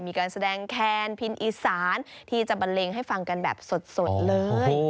มีการแสดงแคนพินอีสานที่จะบันเลงให้ฟังกันแบบสดเลย